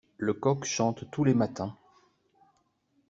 Le coq chante tous les matins.